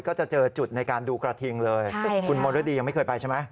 ก็จะเจอจุดในการดูกระทิงเลยคุณมรดียังไม่เคยไปใช่ไหม